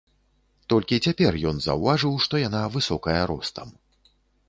Толькі цяпер ён заўважыў, што яна высокая ростам.